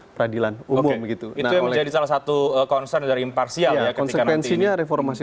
peradilan umum gitu nah menjadi salah satu concern dari imparsial ya konsekuensinya reformasi